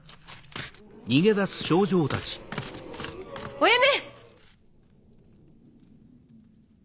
おやめ！